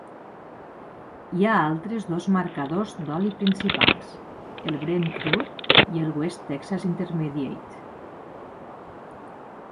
Hi ha altres dos marcadors d'oli principals: el Brent Crude i el West Texas Intermediate.